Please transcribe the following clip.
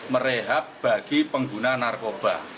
merehab bagi pengguna narkoba